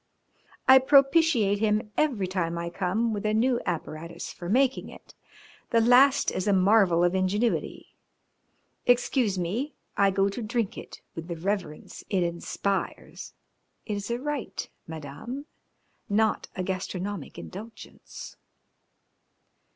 I propitiate him every time I come with a new apparatus for making it. The last is a marvel of ingenuity. Excuse me, I go to drink it with the reverence it inspires. It is a rite, Madame, not a gastronomic indulgence."